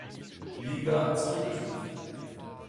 Liga zurückgestuft.